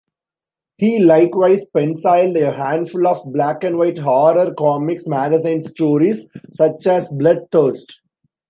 He likewise penciled a handful of black-and-white horror-comics magazine stories, such as Blood Thirst!